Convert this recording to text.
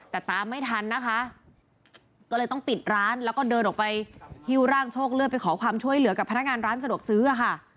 แต่ตามไม่ทันนะคะก็เลยต้องปิดร้านแล้วก็เดินออกไปฮิ้วร่างโชคเลือดไปขอความช่วยเหลือกับพนักงานร้านสะดวกซื้อค่ะ